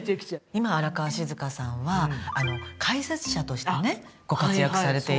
今荒川静香さんは解説者としてご活躍されていて。